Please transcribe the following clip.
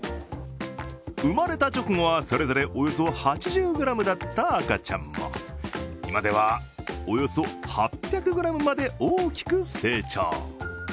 生まれた直後はそれぞれおよそ８０ｇだった赤ちゃんも今ではおよそ８００ｇまで大きく成長。